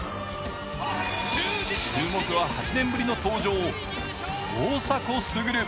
注目は８年ぶりの登場・大迫傑。